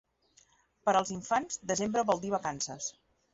Per als infants, desembre vol dir vacances.